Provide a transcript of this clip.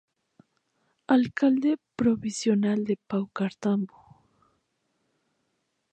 Alcalde Provincial de Paucartambo.